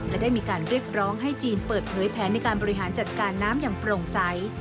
และได้มีการเรียกร้องให้จีนเปิดเผยแผนในการบริหารจัดการน้ำอย่างโปร่งใส